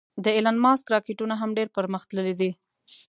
د ایلان ماسک راکټونه هم ډېر پرمختللې دې